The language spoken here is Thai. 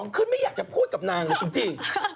ควรไม่อยากพูดกับนางง่ายจริง